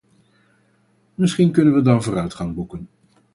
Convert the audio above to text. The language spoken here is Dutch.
Misschien kunnen we dan vooruitgang boeken.